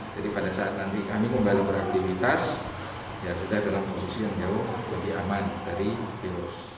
jadi pada saat nanti kami kembali beraktivitas ya sudah dalam posisi yang jauh lebih aman dari virus